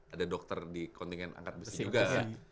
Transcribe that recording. ada dokter di kontingen angkat bus juga kan